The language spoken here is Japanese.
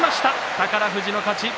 宝富士の勝ち。